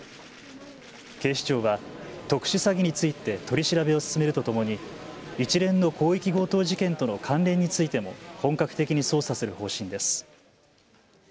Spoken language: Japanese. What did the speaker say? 警視庁は特殊詐欺について取り調べを進めるとともに一連の広域強盗事件との関連についても本格的に捜査する方針です。